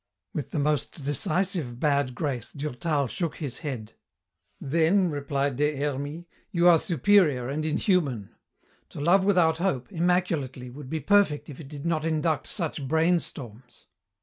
With the most decisive bad grace Durtal shook his head. "Then," replied Des Hermies, "you are superior and inhuman. To love without hope, immaculately, would be perfect if it did not induct such brainstorms.